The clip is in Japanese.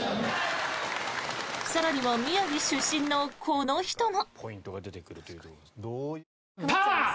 更には宮城出身のこの人も。